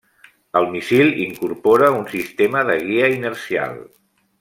El míssil incorpora un sistema de guia inercial.